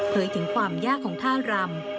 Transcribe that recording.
ถึงความยากของท่ารำ